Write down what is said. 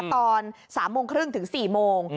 ตอน๓โมงครึ่งถึง๔โมง